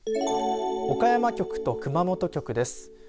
岡山局と熊本局です。